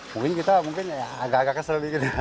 mungkin kita agak agak kesel